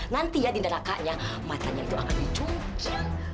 nanti ya di nerakanya matanya itu akan dicuci